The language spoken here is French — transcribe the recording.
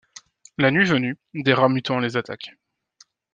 La nuit venue des rats mutants les attaquent...